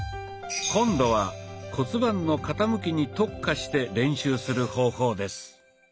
今度は骨盤の傾きに特化して練習する方法です。